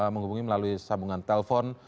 menghubungi melalui sambungan telpon